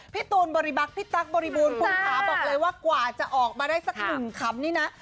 พี่ตูนบริบักษ์พี่ตั๊กบริบูรณ์คุณขาบอกเลยว่ากว่าจะออกมาได้สักหนึ่งคำนี่นะ